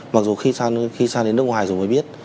mặc dù khi sang đến nước ngoài rồi mới biết